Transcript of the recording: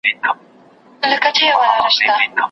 هغه چي لمر ته مخامخ دی هغه زما کلی دی